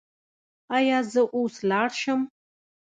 ایا زه اوس لاړ شم؟